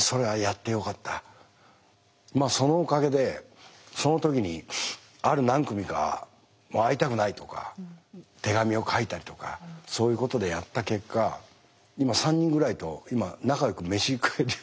まあそのおかげでその時にある何組かもう会いたくないとか手紙を書いたりとかそういうことでやった結果今３人ぐらいと今仲よく飯食えて。